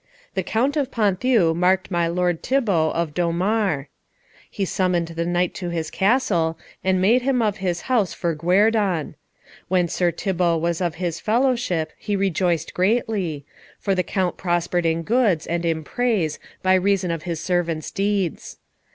The Count of Ponthieu marked my lord Thibault of Dommare. He summoned the knight to his castle, and made him of his house for guerdon. When Sir Thibault was of his fellowship he rejoiced greatly, for the Count prospered in goods and in praise by reason of his servant's deeds.